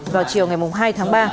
vào chiều ngày hai tháng ba